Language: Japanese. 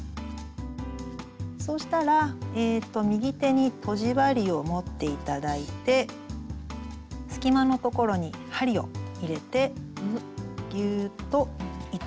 そしたら右手にとじ針を持って頂いて隙間のところに針を入れてギューッと糸を引いて頂きます。